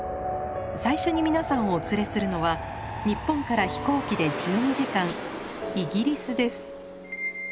最初に皆さんをお連れするのは日本から飛行機で１２時間イギリスです。